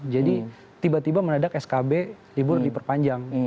jadi tiba tiba menadak skb libur diperpanjang